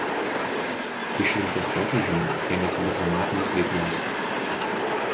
Išrinktas popiežiumi ėmėsi diplomatinės veiklos.